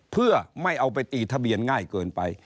เพื่อไม่เอาไปตีทะเบียนง่ายเกินไป